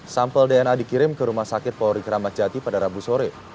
sampel dna dikirim ke rumah sakit polri kramat jati pada rabu sore